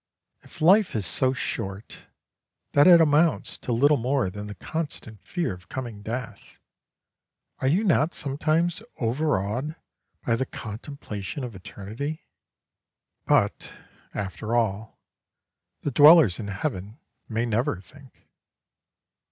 If life is so short that it amounts to little more than the constant fear of coming death, are you not sometimes overawed by the contemplation of eternity? But, after all, the dwellers in heaven may never think.